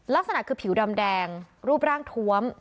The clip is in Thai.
ลักษณะคือผิวดำแดงรูปร่างทวม